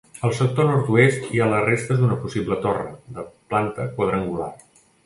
Al sector nord-oest hi ha les restes d'una possible torre, de planta quadrangular.